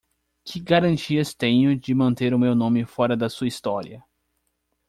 Que garantias tenho de manter o meu nome fora da sua história?